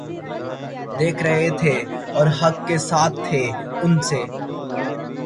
دیکھ رہے تھے اور حق کے ساتھ تھے ان سے